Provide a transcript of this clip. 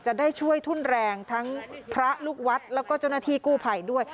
จะได้ช่วยทุ่นแรงทั้งพระลูกวัดแล้วก็เจ้าหน้าที่กู้ภัยด้วย